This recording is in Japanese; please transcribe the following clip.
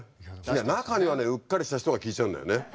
中にはねうっかりした人が聴いちゃうんだよね。